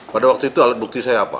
pada waktu itu alat bukti saya apa